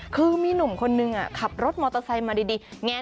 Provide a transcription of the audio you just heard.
คือมีหนุ่มคนนึงขับรถมอเตอร์ไซค์มาดีแง